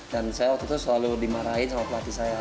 dan saya waktu itu selalu dimarahin oleh pelatih saya